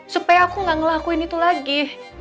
supaya aku gak ngelakuin itu lagi